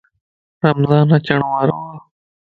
رمضان اچڻ وارو ا